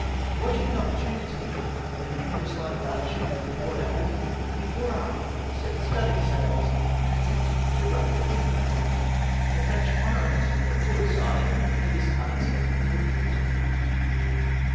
Watching an opportunity, when the nearest hiie of battle ship was before om^ beam, we bore up, set the studding sails, and attempted to run between them, the French honouring us with a broadside for this unex pected movement.